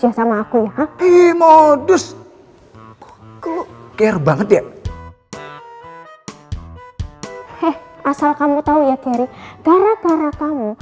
ya sama aku ya ha hi modus klub care banget ya hai eh asal kamu tahu ya geri gara gara kamu